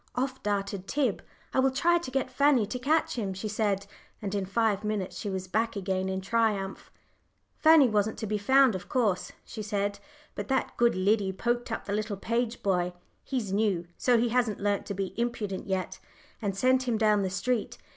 Off darted Tib. "I will try to get Fanny to catch him," she said; and in five minutes she was back again in triumph. "Fanny wasn't to be found, of course," she said. "But that good Liddy poked up the little page boy he's new, so he hasn't learnt to be impudent yet and sent him down the street.